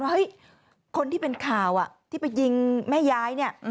เฮ้ยคนที่เป็นข่าวที่ไปยิงแม่ยายเนี่ย